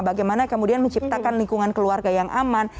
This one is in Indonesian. bagaimana kemudian menciptakan lingkungan keluarga yang aman